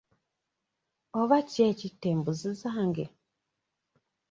Oba ki ekitta embuzi zange?